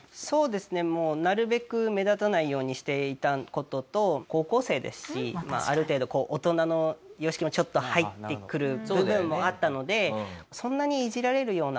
そうですねなるべく目立たないようにしていた事と高校生ですしある程度大人の良識もちょっと入ってくる部分もあったのでそんなに。